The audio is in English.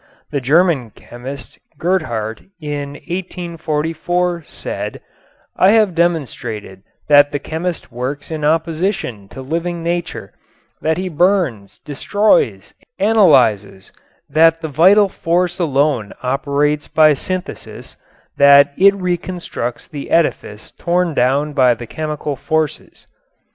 The German chemist Gerhardt in 1844 said: "I have demonstrated that the chemist works in opposition to living nature, that he burns, destroys, analyzes, that the vital force alone operates by synthesis, that it reconstructs the edifice torn down by the chemical forces."